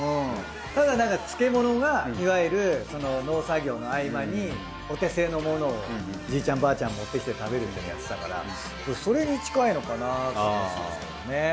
ただ漬物がいわゆる農作業の合間にお手製のものをじいちゃんばあちゃん持ってきて食べるみたいなのやってたからそれに近いのかなと思ってたんですけどね。